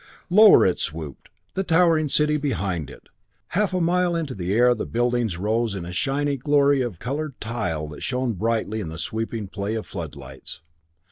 Lower it swooped, the towering city behind it. Half a mile into the air the buildings rose in shining glory of colored tile that shone brightly in the sweeping play of floodlights.